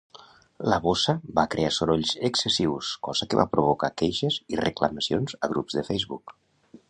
La bossa va crear sorolls excessius, cosa que va provocar queixes i reclamacions a grups de Facebook.